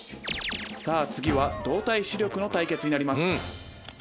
さあ次は動体視力の対決になります」。